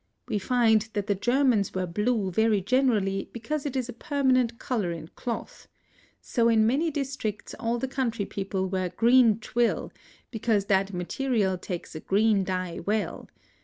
We find that the Germans wear blue very generally because it is a permanent colour in cloth; so in many districts all the country people wear green twill, because that material takes a green dye well.